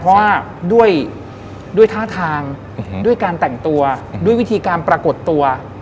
เพราะว่าด้วยท่าทางด้วยการแต่งตัวด้วยวิธีการปรากฏตัว